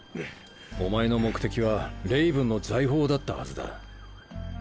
お前の目的はレイブンの財宝だったはずだ。